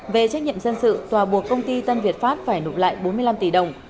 về trách nhiệm dân sự tòa buộc công ty tân việt pháp phải nộp lại bốn mươi năm tỷ đồng